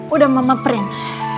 udah mama print